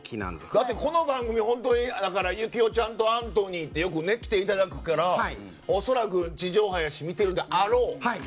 だって、この番組行雄ちゃんとアントニーにはよく来ていただくから恐らく地上波やし見てるであろう。